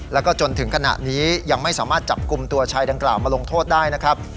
แล้วก็จนถึงขณะนี้ยังไม่สามารถจับกลุ่มตัวชายดังกล่าวมาลงโทษได้นะครับ